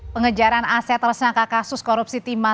pengejaran aset tersangka kasus korupsi timah